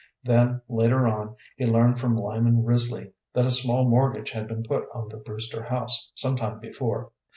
Then, later on, he learned from Lyman Risley that a small mortgage had been put on the Brewster house some time before.